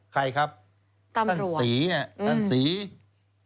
ใครครับท่านสีนี่ครับตำรวด